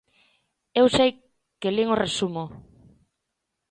Eu sei que lin o resumo.